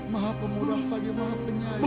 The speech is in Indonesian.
bapak gak punya duit lagi buat tembus dede bu